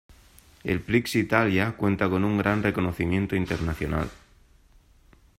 El Prix Italia cuenta con un gran reconocimiento internacional.